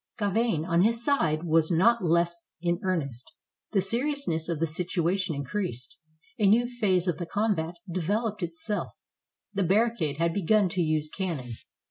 Gauvain, on his side, was not less in earnest. The seriousness of the situation increased. A new phase of the combat developed itself. The barricade had begun to use cannon.